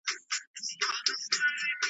ستا د هري شېبې واک د خپل بادار دی .